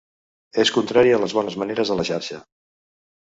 És contrari a les bones maneres a la xarxa.